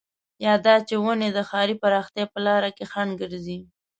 يا دا چې ونې د ښاري پراختيا په لاره کې خنډ ګرځي.